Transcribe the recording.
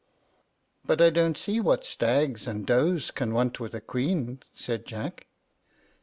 "But I don't see what stags and does can want with a queen," said Jack.